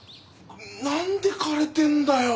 何で枯れてんだよ？